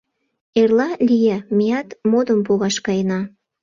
— Эрла, Лия, меат модым погаш каена.